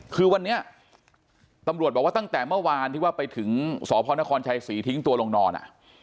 คือวันนี้ตำรวจบอกว่าตั้งแต่เมื่อวานที่ว่าไปถึงสพนครชัยศรีทิ้งตัวลงนอน